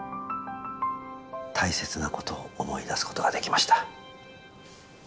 大切なことを思い出すことができました。